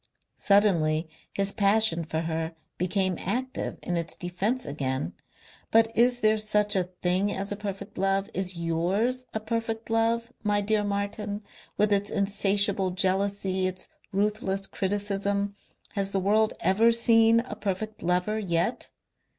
Suddenly his passion for her became active in its defence again. "But is there such a thing as a perfect love? Is YOURS a perfect love, my dear Martin, with its insatiable jealousy, its ruthless criticism? Has the world ever seen a perfect lover yet?